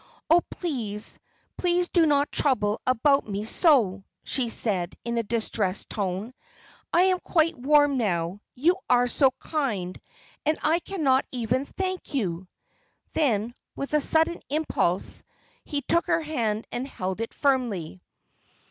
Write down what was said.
"Oh, please please do not trouble about me so," she said, in a distressed tone. "I am quite warm now. You are so kind, and I cannot even thank you?" Then, with a sudden impulse, he took her hand, and held it firmly.